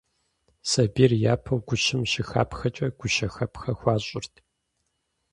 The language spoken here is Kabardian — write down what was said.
Сабийр япэу гущэм щыхапхэкӀэ гущэхэпхэ хуащӀырт.